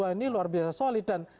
wah ini luar biasa solid dan